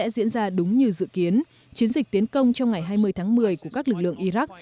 các chiến dịch tiến công trong ngày hai mươi tháng một mươi của các lực lượng iraq